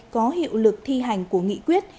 có hiệu lực thi hành của nghị quyết